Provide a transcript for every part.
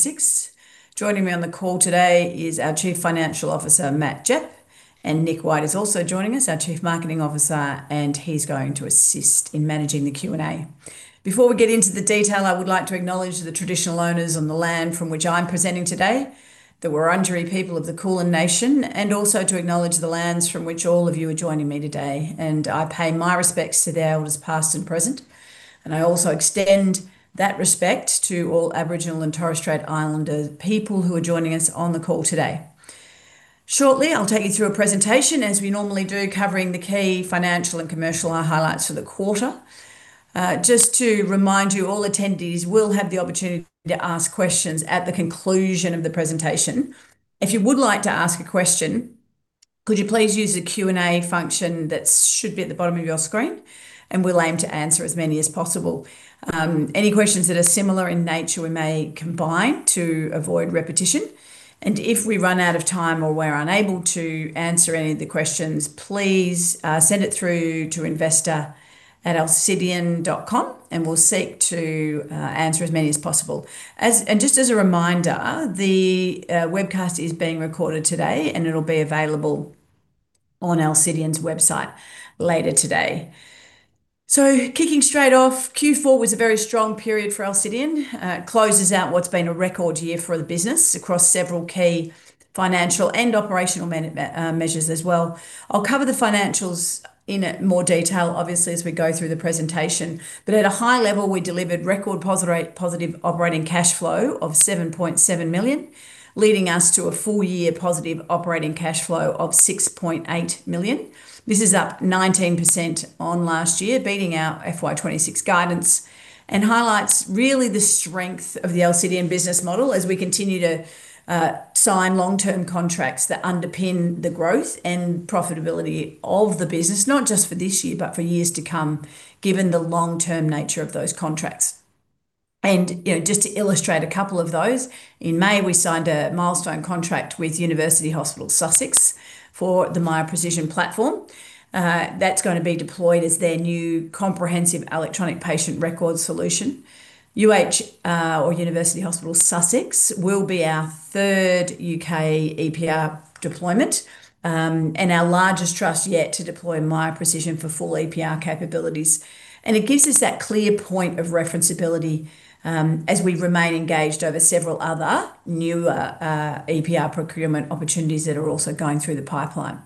Six. Joining me on the call today is our Chief Financial Officer, Matt Gepp. And Nick White is also joining us, our Chief Marketing Officer, and he's going to assist in managing the Q&A. Before we get into the detail, I would like to acknowledge the traditional owners on the land from which I'm presenting today, the Wurundjeri people of the Kulin nation, and also to acknowledge the lands from which all of you are joining me today. I pay my respects to their elders, past and present, and I also extend that respect to all Aboriginal and Torres Strait Islander people who are joining us on the call today. Shortly, I'll take you through a presentation, as we normally do, covering the key financial and commercial highlights for the quarter. Just to remind you, all attendees will have the opportunity to ask questions at the conclusion of the presentation. If you would like to ask a question, could you please use the Q&A function that should be at the bottom of your screen, and we'll aim to answer as many as possible. Any questions that are similar in nature, we may combine to avoid repetition. And if we run out of time or we're unable to answer any of the questions, please send it through to investor@alcidion.com and we'll seek to answer as many as possible. Just as a reminder, the webcast is being recorded today, and it'll be available on Alcidion's website later today. Kicking straight off, Q4 was a very strong period for Alcidion. It closes out what's been a record year for the business across several key financial and operational measures as well. I'll cover the financials in more detail obviously as we go through the presentation. But at a high level, we delivered record positive operating cash flow of 7.7 million, leading us to a full year positive operating cash flow of 6.8 million. This is up 19% on last year, beating our FY 2026 guidance, and highlights really the strength of the Alcidion business model as we continue to sign long-term contracts that underpin the growth and profitability of the business, not just for this year, but for years to come, given the long-term nature of those contracts. And just to illustrate a couple of those, in May, we signed a milestone contract with University Hospitals Sussex for the Miya Precision platform. That's going to be deployed as their new comprehensive electronic patient record solution. UH, or University Hospitals Sussex, will be our third U.K. EPR deployment, and our largest trust yet to deploy Miya Precision for full EPR capabilities. And it gives us that clear point of referencability as we remain engaged over several other newer EPR procurement opportunities that are also going through the pipeline.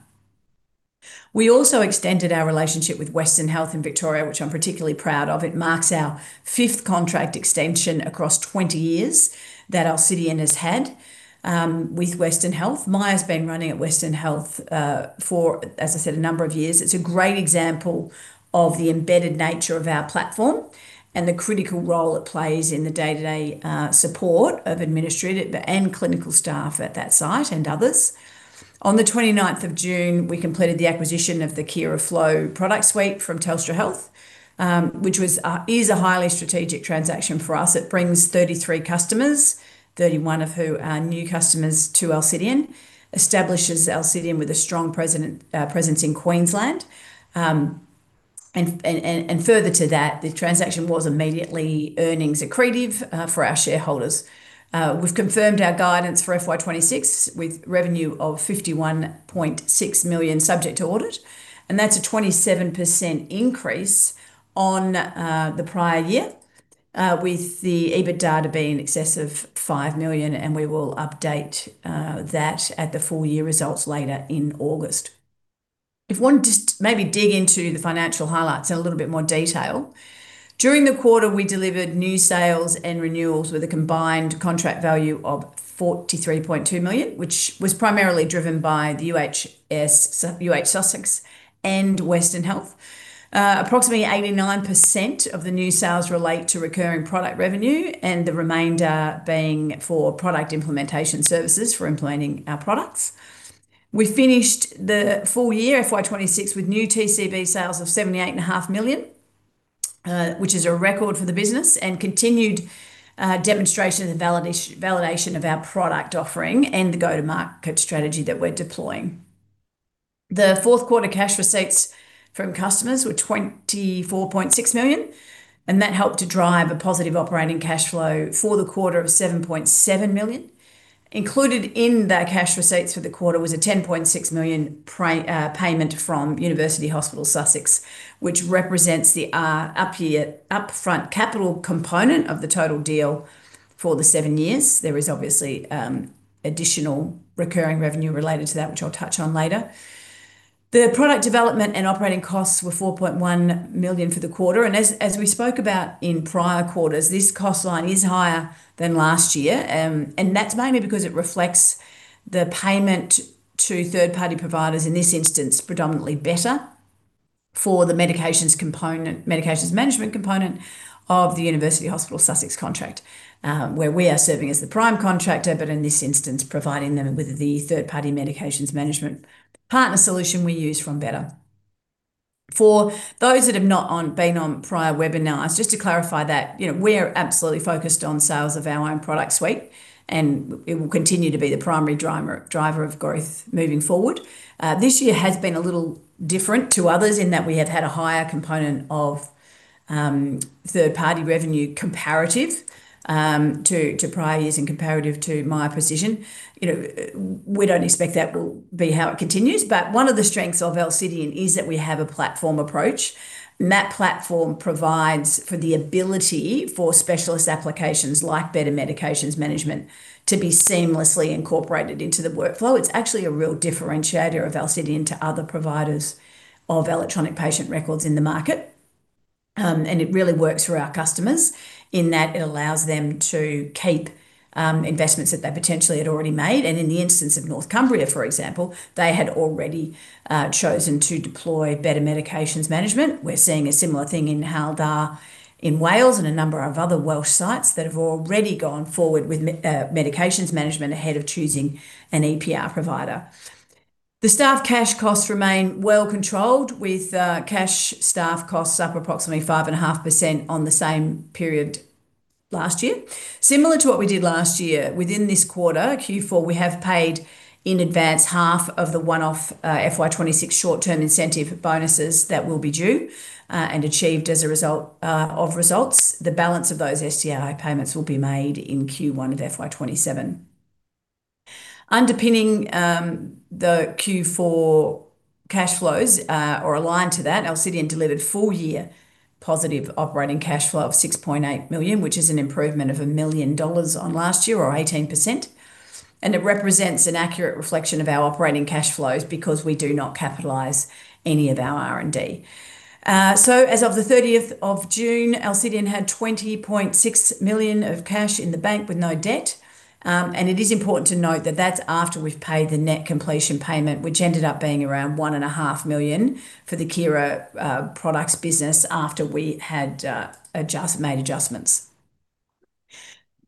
We also extended our relationship with Western Health in Victoria, which I'm particularly proud of. It marks our fifth contract extension across 20 years that Alcidion has had with Western Health. Miya's been running at Western Health for, as I said, a number of years. It's a great example of the embedded nature of our platform and the critical role it plays in the day-to-day support of administrative and clinical staff at that site and others. On the 29th of June, we completed the acquisition of the Kyra flow product suite from Telstra Health, which is a highly strategic transaction for us. It brings 33 customers, 31 of who are new customers to Alcidion. Establishes Alcidion with a strong presence in Queensland. Further to that, the transaction was immediately earnings accretive for our shareholders. We've confirmed our guidance for FY 2026 with revenue of 51.6 million subject to audit, and that's a 27% increase on the prior year, with the EBITDA to be in excess of 5 million, and we will update that at the full year results later in August. If one just maybe dig into the financial highlights in a little bit more detail. During the quarter, we delivered new sales and renewals with a combined contract value of 43.2 million, which was primarily driven by the UHS, UH Sussex, and Western Health. Approximately 89% of the new sales relate to recurring product revenue, the remainder being for product implementation services for implementing our products. We finished the full year FY 2026 with new TCV sales of 78.5 million, which is a record for the business and continued demonstration and validation of our product offering and the go-to-market strategy that we're deploying. The fourth quarter cash receipts from customers were 24.6 million, that helped to drive a positive operating cash flow for the quarter of 7.7 million. Included in that cash receipts for the quarter was a 10.6 million payment from University Hospitals Sussex, which represents the up-front capital component of the total deal for the seven years. There is obviously additional recurring revenue related to that, which I'll touch on later. The product development and operating costs were 4.1 million for the quarter. As we spoke about in prior quarters, this cost line is higher than last year. That's mainly because it reflects the payment to third-party providers, in this instance, predominantly Better, for the medications management component of the University Hospitals Sussex contract. Where we are serving as the prime contractor, but in this instance, providing them with the third-party medications management partner solution we use from Better. For those that have not been on prior webinars, just to clarify that, we're absolutely focused on sales of our own product suite, it will continue to be the primary driver of growth moving forward. This year has been a little different to others in that we have had a higher component of third-party revenue comparative to prior years and comparative to Miya Precision. We don't expect that will be how it continues. One of the strengths of Alcidion is that we have a platform approach. That platform provides for the ability for specialist applications like Better Medications Management to be seamlessly incorporated into the workflow. It's actually a real differentiator of Alcidion to other providers of electronic patient records in the market. It really works for our customers in that it allows them to keep investments that they potentially had already made. In the instance of North Cumbria, for example, they had already chosen to deploy Better Medications Management. We're seeing a similar thing in Hywel Dda in Wales and a number of other Welsh sites that have already gone forward with medications management ahead of choosing an EPR provider. The staff cash costs remain well controlled, with cash staff costs up approximately 5.5% on the same period last year. Similar to what we did last year, within this quarter, Q4, we have paid in advance half of the one-off FY 2026 short-term incentive bonuses that will be due and achieved as a result of results. The balance of those STI payments will be made in Q1 of FY 2027. Underpinning the Q4 cash flows are aligned to that. Alcidion delivered full year positive operating cash flow of 6.8 million, which is an improvement of 1 million dollars on last year or 18%. It represents an accurate reflection of our operating cash flows because we do not capitalize any of our R&D. As of the 30th of June, Alcidion had 20.6 million of cash in the bank with no debt. It is important to note that that's after we've paid the net completion payment, which ended up being around 1.5 million for the Kyra Products business after we had made adjustments.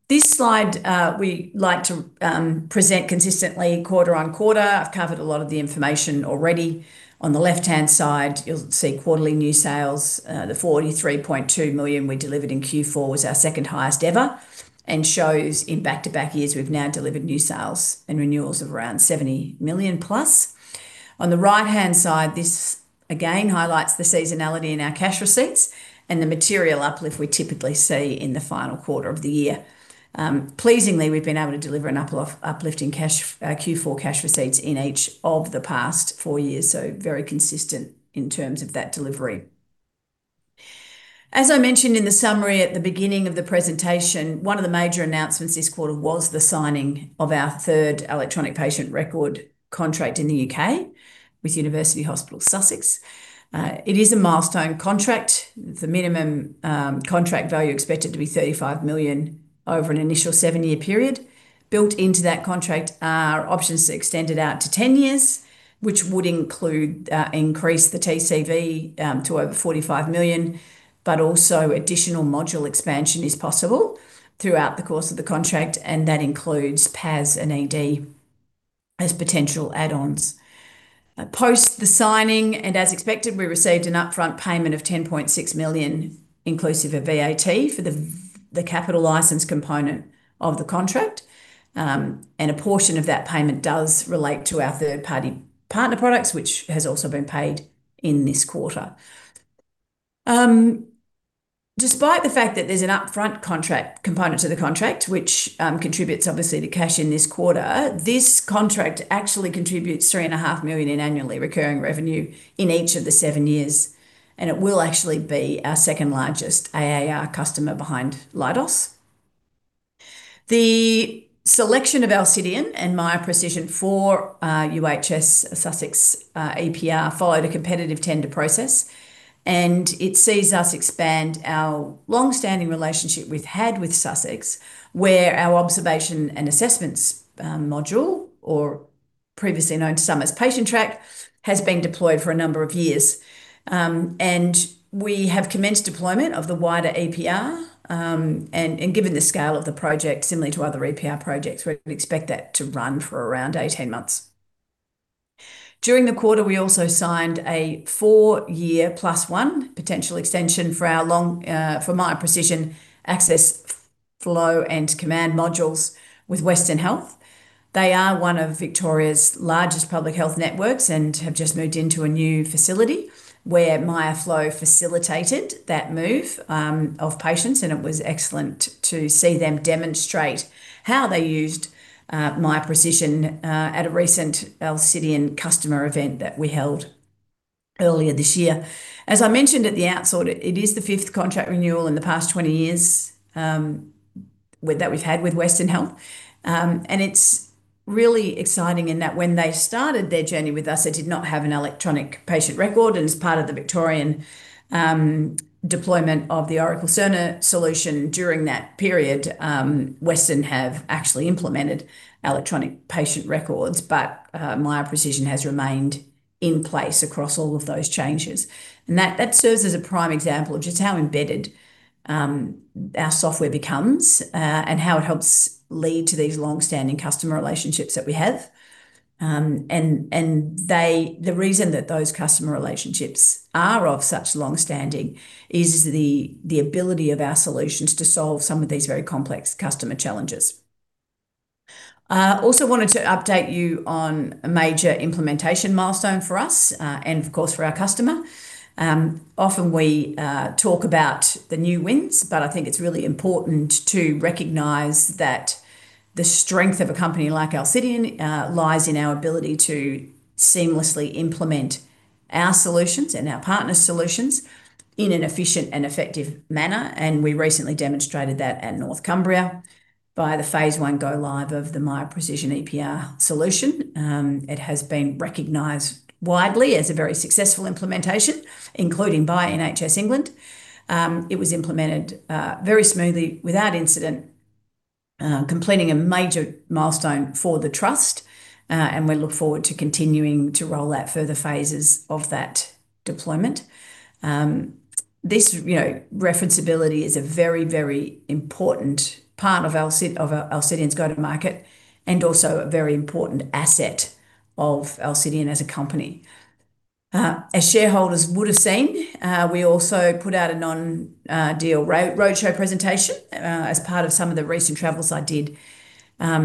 This slide we like to present consistently quarter-on-quarter. I've covered a lot of the information already. On the left-hand side, you'll see quarterly new sales. The 43.2 million we delivered in Q4 was our second highest ever and shows in back-to-back years, we've now delivered new sales and renewals of around 70 million+. On the right-hand side, this again highlights the seasonality in our cash receipts and the material uplift we typically see in the final quarter of the year. Pleasingly, we've been able to deliver an uplift in Q4 cash receipts in each of the past four years, so very consistent in terms of that delivery. As I mentioned in the summary at the beginning of the presentation, one of the major announcements this quarter was the signing of our third electronic patient record contract in the U.K. with University Hospitals Sussex. It is a milestone contract. The minimum contract value expected to be 35 million over an initial seven-year period. Built into that contract are options extended out to 10 years, which would increase the TCV to over 45 million, but also additional module expansion is possible throughout the course of the contract, and that includes PAS and ED as potential add-ons. Post the signing, as expected, we received an upfront payment of 10.6 million, inclusive of VAT, for the capital license component of the contract. A portion of that payment does relate to our third-party partner products, which has also been paid in this quarter. Despite the fact that there's an upfront component to the contract, which contributes obviously to cash in this quarter, this contract actually contributes 3.5 million in annually recurring revenue in each of the seven years, and it will actually be our second largest ARR customer behind Leidos. The selection of Alcidion and Miya Precision for UHS Sussex EPR followed a competitive tender process, and it sees us expand our long-standing relationship we've had with Sussex, where our observation and assessments module, or previously known to some as Patientrack, has been deployed for a number of years. We have commenced deployment of the wider EPR. Given the scale of the project similar to other EPR projects, we expect that to run for around 18 months. During the quarter, we also signed a four-year +1 potential extension for Miya Precision Access Flow and Command modules with Western Health. They are one of Victoria's largest public health networks and have just moved into a new facility where Miya Flow facilitated that move, of patients, and it was excellent to see them demonstrate how they used Miya Precision at a recent Alcidion customer event that we held earlier this year. As I mentioned at the outset, it is the fifth contract renewal in the past 20 years that we've had with Western Health. It's really exciting in that when they started their journey with us, they did not have an electronic patient record, and as part of the Victorian deployment of the Oracle Health solution during that period, Western have actually implemented electronic patient records. Miya Precision has remained in place across all of those changes. That serves as a prime example of just how embedded our software becomes, and how it helps lead to these longstanding customer relationships that we have. The reason that those customer relationships are of such longstanding is the ability of our solutions to solve some of these very complex customer challenges. I also wanted to update you on a major implementation milestone for us, and of course, for our customer. Often we talk about the new wins, but I think it's really important to recognize that the strength of a company like Alcidion lies in our ability to seamlessly implement our solutions and our partner solutions in an efficient and effective manner. We recently demonstrated that at North Cumbria by the phase I go live of the Miya Precision EPR solution. It has been recognized widely as a very successful implementation, including by NHS England. It was implemented very smoothly without incident, completing a major milestone for the trust. We look forward to continuing to roll out further phases of that deployment. This reference-ability is a very, very important part of Alcidion's go-to-market, and also a very important asset of Alcidion as a company. As shareholders would have seen, we also put out a non-deal roadshow presentation as part of some of the recent travels I did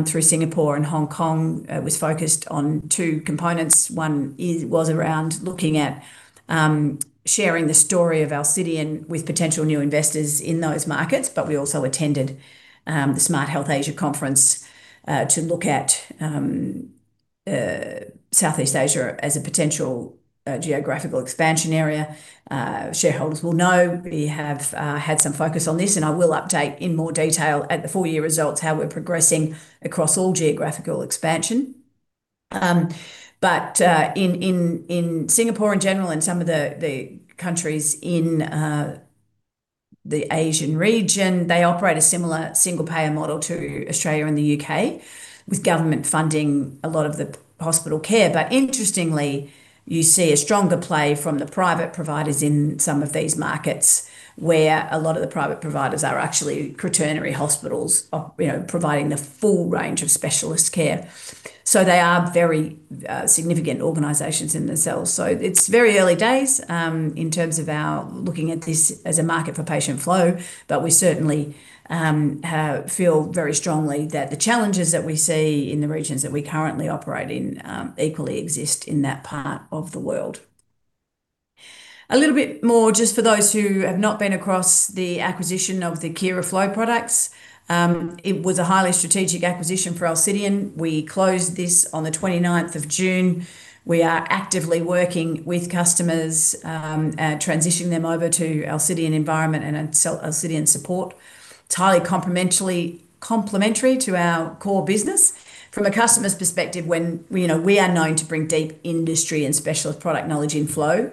through Singapore and Hong Kong. It was focused on two components. One was around looking at sharing the story of Alcidion with potential new investors in those markets. We also attended the Smart Health Asia Conference, to look at Southeast Asia as a potential geographical expansion area. Shareholders will know we have had some focus on this, I will update in more detail at the full year results how we're progressing across all geographical expansion. In Singapore in general, and some of the countries in the Asian region, they operate a similar single payer model to Australia and the U.K., with government funding a lot of the hospital care. Interestingly, you see a stronger play from the private providers in some of these markets, where a lot of the private providers are actually quaternary hospitals providing the full range of specialist care. They are very significant organizations in themselves. It's very early days in terms of our looking at this as a market for patient flow. We certainly feel very strongly that the challenges that we see in the regions that we currently operate in equally exist in that part of the world. A little bit more just for those who have not been across the acquisition of the Kyra flow products. It was a highly strategic acquisition for Alcidion. We closed this on the 29th of June. We are actively working with customers, transitioning them over to Alcidion environment and Alcidion support. It is highly complementary to our core business. From a customer's perspective, we are known to bring deep industry and specialist product knowledge in flow.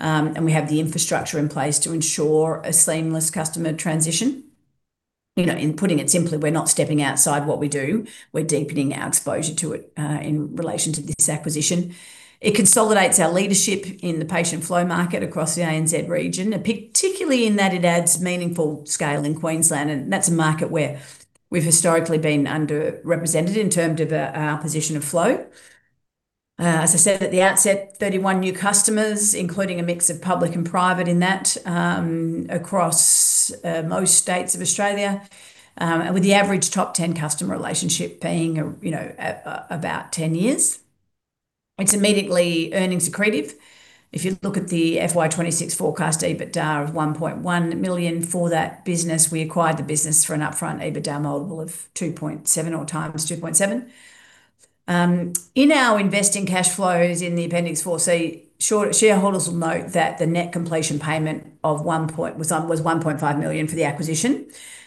We have the infrastructure in place to ensure a seamless customer transition. Putting it simply, we are not stepping outside what we do, we are deepening our exposure to it in relation to this acquisition. It consolidates our leadership in the patient flow market across the ANZ region, and particularly in that it adds meaningful scale in Queensland. That is a market where we have historically been underrepresented in terms of our position of flow. As I said at the outset, 31 new customers, including a mix of public and private in that, across most states of Australia. With the average top 10 customer relationship being about 10 years. It is immediately earnings accretive. If you look at the FY 2026 forecast EBITDA of 1.1 million for that business. We acquired the business for an upfront EBITDA multiple of 2.7x or times 2.7. In our investing cash flows in the Appendix 4C, shareholders will note that the net completion payment was 1.5 million for the acquisition,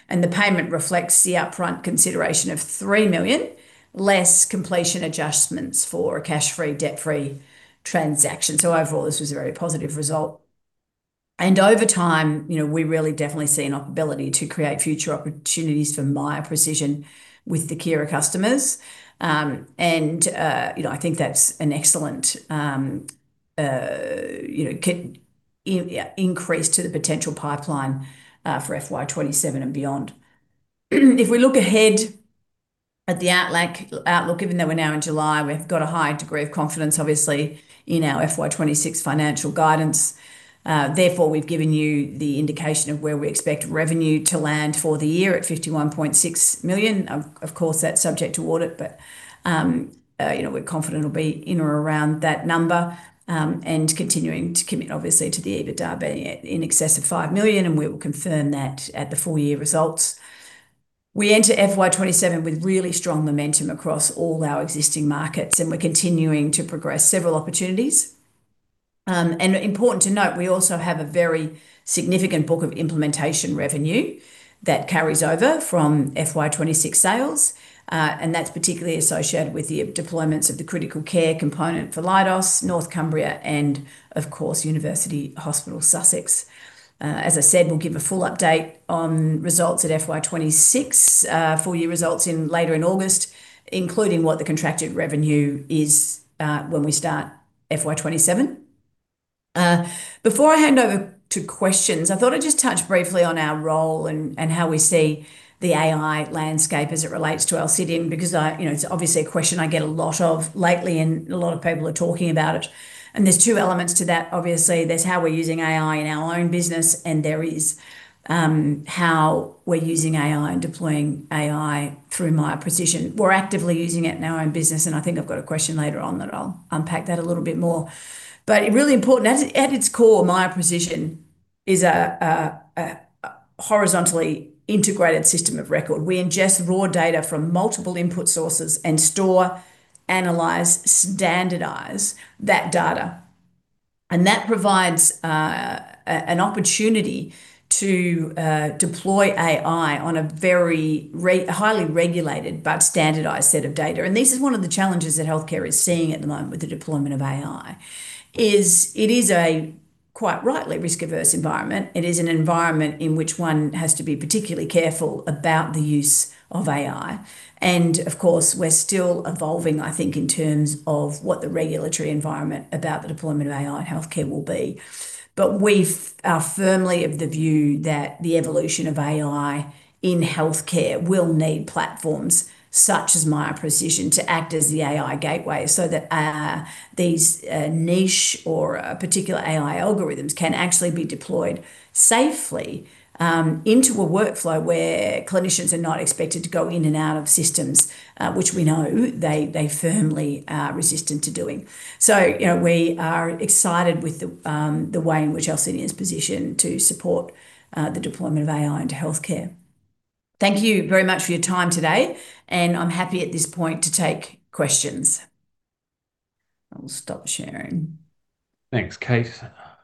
and the payment reflects the upfront consideration of 3 million, less completion adjustments for a cash-free, debt-free transaction. Overall, this was a very positive result. Over time, we really definitely see an ability to create future opportunities for Miya Precision with the Kyra customers. I think that is an excellent increase to the potential pipeline for FY 2027 and beyond. If we look ahead at the outlook, given that we are now in July, we have a high degree of confidence, obviously, in our FY 2026 financial guidance. Therefore, we have given you the indication of where we expect revenue to land for the year at 51.6 million. Of course, that is subject to audit. We are confident it will be in or around that number, and continuing to commit, obviously, to the EBITDA being in excess of 5 million, and we will confirm that at the full year results. We enter FY 2027 with really strong momentum across all our existing markets, and we are continuing to progress several opportunities. Important to note, we also have a very significant book of implementation revenue that carries over from FY 2026 sales. That is particularly associated with the deployments of the critical care component for Leidos, North Cumbria, and of course, University Hospitals Sussex. As I said, we will give a full update on results at FY 2026 full year results later in August, including what the contracted revenue is when we start FY 2027. Before I hand over to questions, I thought I would just touch briefly on our role and how we see the AI landscape as it relates to Alcidion, because it is obviously a question I get a lot of lately, and a lot of people are talking about it. There are two elements to that. Obviously, there is how we are using AI in our own business, and there is how we are using AI and deploying AI through Miya Precision. We're actively using it in our own business, I think I've got a question later on that I'll unpack that a little bit more. Really important, at its core, Miya Precision is a horizontally integrated system of record. We ingest raw data from multiple input sources and store, analyze, standardize that data. That provides an opportunity to deploy AI on a very highly regulated but standardized set of data. This is one of the challenges that healthcare is seeing at the moment with the deployment of AI, is it is a, quite rightly, risk-averse environment. It is an environment in which one has to be particularly careful about the use of AI. Of course, we're still evolving, I think, in terms of what the regulatory environment about the deployment of AI in healthcare will be. We are firmly of the view that the evolution of AI in healthcare will need platforms such as Miya Precision to act as the AI gateway so that these niche or particular AI algorithms can actually be deployed safely into a workflow where clinicians are not expected to go in and out of systems, which we know they firmly are resistant to doing. We are excited with the way in which Alcidion is positioned to support the deployment of AI into healthcare. Thank you very much for your time today, and I'm happy at this point to take questions. I will stop sharing. Thanks, Kate.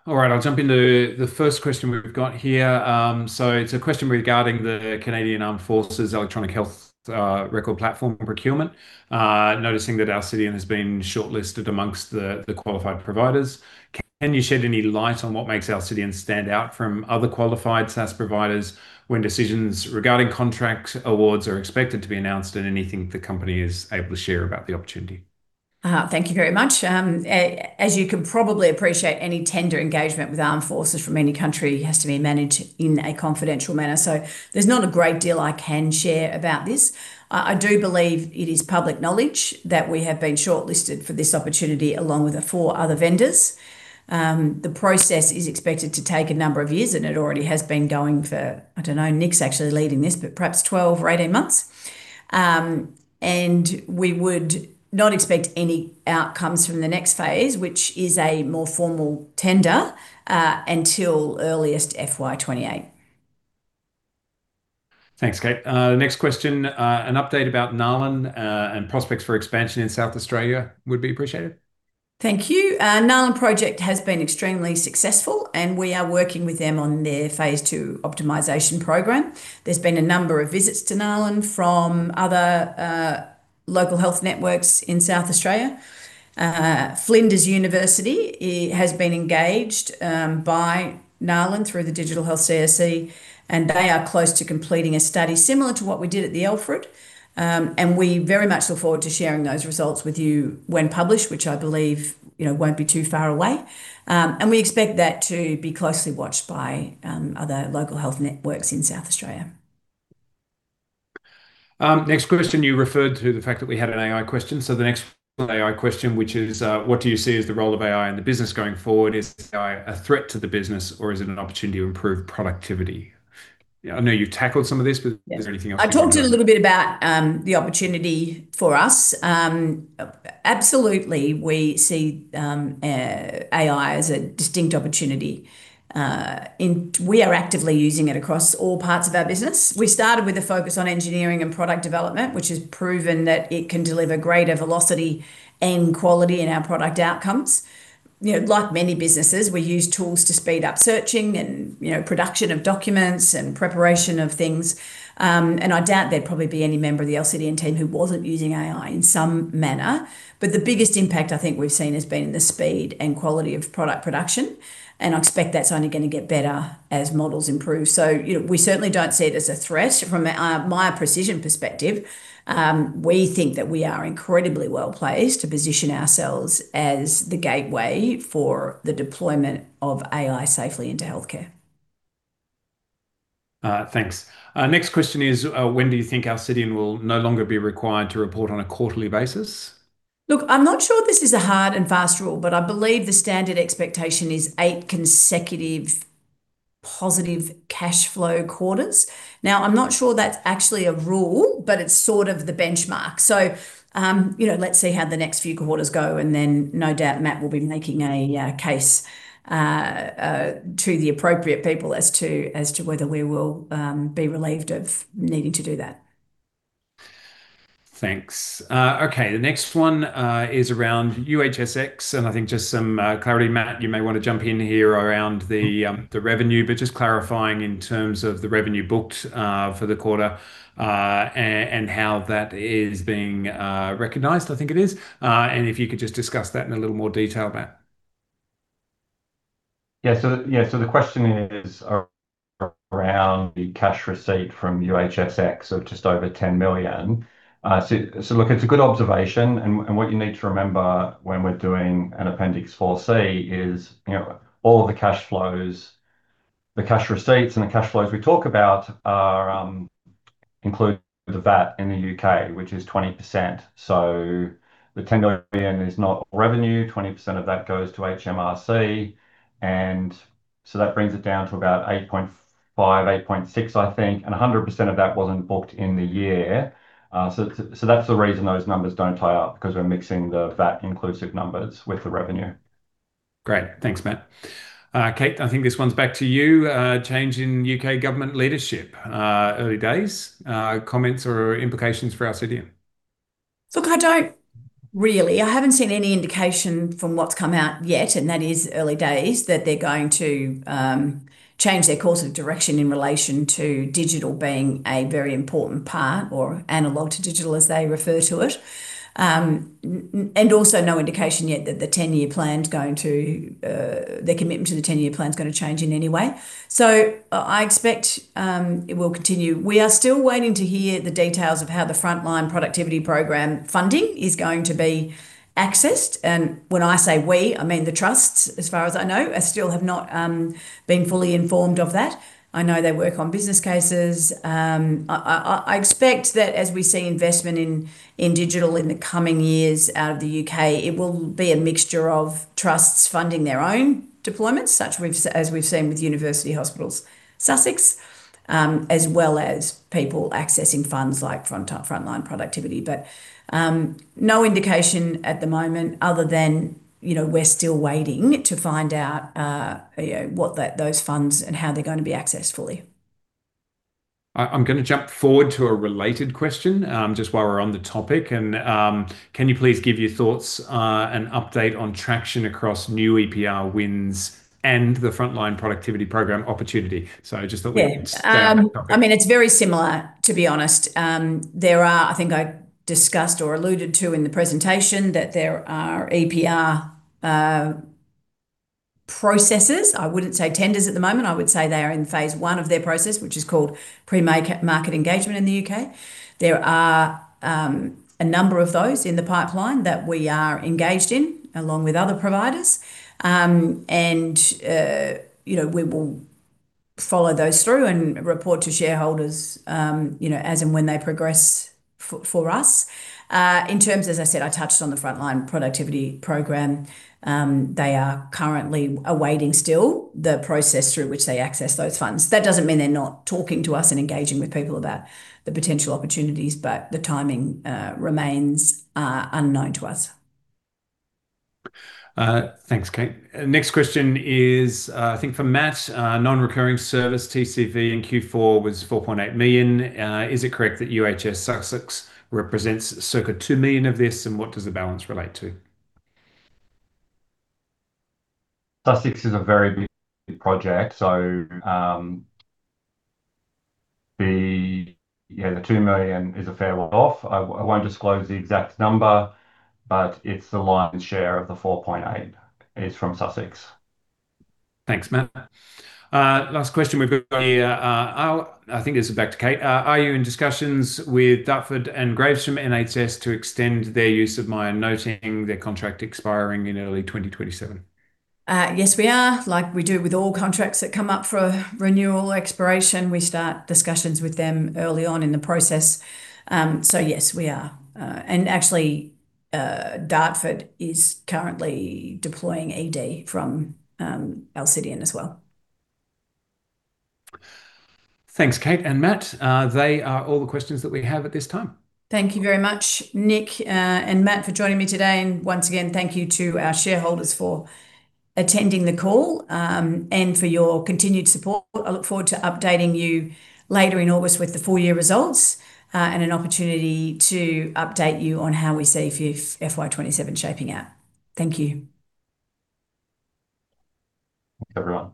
All right, I'll jump into the first question we've got here. It's a question regarding the Canadian Armed Forces electronic health record platform procurement. Noticing that Alcidion has been shortlisted amongst the qualified providers. Can you shed any light on what makes Alcidion stand out from other qualified SaaS providers when decisions regarding contract awards are expected to be announced, and anything the company is able to share about the opportunity? Thank you very much. As you can probably appreciate, any tender engagement with armed forces from any country has to be managed in a confidential manner. There's not a great deal I can share about this. I do believe it is public knowledge that we have been shortlisted for this opportunity along with four other vendors. The process is expected to take a number of years, it already has been going for, I don't know, Nick's actually leading this, but perhaps 12 or 18 months. We would not expect any outcomes from the next phase, which is a more formal tender, until earliest FY 2028. Thanks, Kate. Next question. An update about NALHN and prospects for expansion in South Australia would be appreciated. Thank you. NALHN project has been extremely successful. We are working with them on their phase II optimization program. There's been a number of visits to NALHN from other local health networks in South Australia. Flinders University has been engaged by NALHN through the Digital Health CRC, and they are close to completing a study similar to what we did at The Alfred. We very much look forward to sharing those results with you when published, which I believe won't be too far away. We expect that to be closely watched by other local health networks in South Australia. Next question, you referred to the fact that we had an AI question. The next AI question, which is what do you see as the role of AI in the business going forward? Is AI a threat to the business, or is it an opportunity to improve productivity? I know you've tackled some of this, but is there anything else you want to? I talked a little bit about the opportunity for us. Absolutely, we see AI as a distinct opportunity. We are actively using it across all parts of our business. We started with a focus on engineering and product development, which has proven that it can deliver greater velocity and quality in our product outcomes. Like many businesses, we use tools to speed up searching and production of documents and preparation of things. I doubt there'd probably be any member of the Alcidion team who wasn't using AI in some manner. The biggest impact I think we've seen has been in the speed and quality of product production, and I expect that's only going to get better as models improve. We certainly don't see it as a threat from a Miya Precision perspective. We think that we are incredibly well-placed to position ourselves as the gateway for the deployment of AI safely into healthcare. Thanks. Next question is when do you think Alcidion will no longer be required to report on a quarterly basis? Look, I'm not sure this is a hard and fast rule, but I believe the standard expectation is eight consecutive positive cash flow quarters. Now, I'm not sure that's actually a rule, but it's sort of the benchmark. Let's see how the next few quarters go, and then no doubt Matt will be making a case to the appropriate people as to whether we will be relieved of needing to do that. Thanks. Okay, the next one is around UHSX, and I think just some clarity. Matt, you may want to jump in here around the revenue. Just clarifying in terms of the revenue booked for the quarter and how that is being recognized, I think it is. If you could just discuss that in a little more detail, Matt. Yeah. The question is around the cash receipt from UHSX of just over 10 million. Look, it's a good observation, and what you need to remember when we're doing an Appendix 4C is all the cash receipts and the cash flows we talk about include the VAT in the U.K., which is 20%. The 10 million is not revenue, 20% of that goes to HMRC. That brings it down to about 8.5, 8.6, I think. 100% of that wasn't booked in the year. That's the reason those numbers don't tie up, because we're mixing the VAT inclusive numbers with the revenue. Great. Thanks, Matt. Kate, I think this one's back to you. Change in U.K. government leadership. Early days. Comments or implications for Alcidion? Look, I don't really. I haven't seen any indication from what's come out yet, and that is early days, that they're going to change their course of direction in relation to digital being a very important part, or analog to digital, as they refer to it. Also no indication yet that their commitment to the 10-year plan's going to change in any way. I expect it will continue. We are still waiting to hear the details of how the Frontline Productivity programme funding is going to be accessed. When I say we, I mean the trusts, as far as I know, still have not been fully informed of that. I know they work on business cases. I expect that as we see investment in digital in the coming years out of the U.K., it will be a mixture of trusts funding their own deployments, such as we've seen with University Hospitals Sussex, as well as people accessing funds like Frontline Productivity. No indication at the moment other than we're still waiting to find out those funds and how they're going to be accessed fully. I'm going to jump forward to a related question, just while we're on the topic. Can you please give your thoughts, an update on traction across new EPR wins and the Frontline Productivity programme opportunity? Yeah Stay on that topic. It's very similar, to be honest. I think I discussed or alluded to in the presentation that there are EPR processes. I wouldn't say tenders at the moment. I would say they are in phase I of their process, which is called pre-market engagement in the U.K. There are a number of those in the pipeline that we are engaged in, along with other providers. We will follow those through and report to shareholders as and when they progress for us. In terms, as I said, I touched on the Frontline Productivity programme. They are currently awaiting still the process through which they access those funds. That doesn't mean they're not talking to us and engaging with people about the potential opportunities, but the timing remains unknown to us. Thanks, Kate. Next question is, I think for Matt. Non-recurring service TCV in Q4 was 4.8 million. Is it correct that UHS Sussex represents circa 2 million of this, and what does the balance relate to? Sussex is a very big project. The 2 million is a fair way off. I won't disclose the exact number, but it's the lion's share of the 4.8 is from Sussex. Thanks, Matt. Last question we've got here, I think this is back to Kate. Are you in discussions with Dartford and Gravesham NHS to extend their use of Miya Noting, their contract expiring in early 2027? Yes, we are. Like we do with all contracts that come up for renewal expiration, we start discussions with them early on in the process. Yes, we are. Actually, Dartford is currently deploying ED from Alcidion as well. Thanks, Kate and Matt. They are all the questions that we have at this time. Thank you very much, Nick and Matt, for joining me today. Once again, thank you to our shareholders for attending the call, and for your continued support. I look forward to updating you later in August with the full year results, and an opportunity to update you on how we see FY 2027 shaping out. Thank you. Thanks, everyone